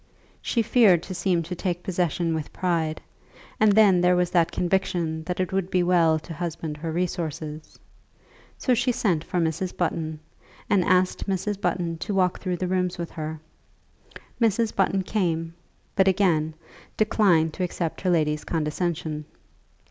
She feared to seem to take possession with pride, and then there was that conviction that it would be well to husband her resources. So she sent for Mrs. Button, and asked Mrs. Button to walk through the rooms with her. Mrs. Button came, but again declined to accept her lady's condescension.